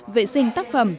vệ sinh tác phẩm